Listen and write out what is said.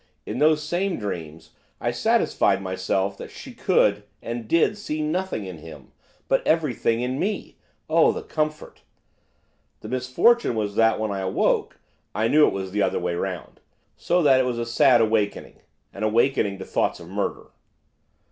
In those same dreams I satisfied myself that she could, and did, see nothing in him, but everything in me, oh the comfort! The misfortune was that when I awoke I knew it was the other way round, so that it was a sad awakening. An awakening to thoughts of murder.